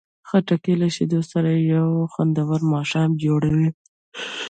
خټکی له شیدو سره یو خوندور ماښام جوړوي.